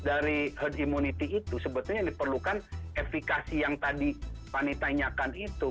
dari herd immunity itu sebetulnya diperlukan efekasi yang tadi pak nita nyatakan itu